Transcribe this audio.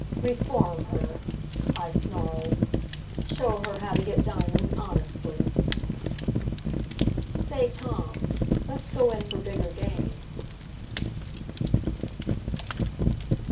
"Reform her!" I snarled. "Show her how to get diamonds honestly." Say, Tom, let's go in for bigger game.